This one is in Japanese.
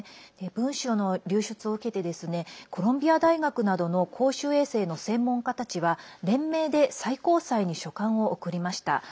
文書の流出を受けてコロンビア大学などの公衆衛生の専門家たちは連名で最高裁に書簡を送りました。